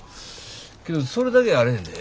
けどそれだけやあれへんで。